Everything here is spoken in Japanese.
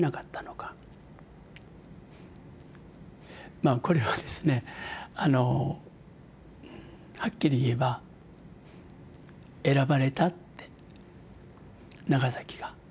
まあこれはですねあのはっきり言えば選ばれたって長崎が。